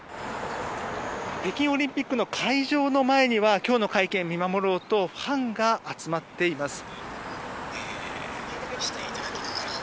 北京オリンピックの会場の前には今日の会見を見守ろうとファンが集まっています。